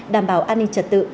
đảm bảo an ninh trật tự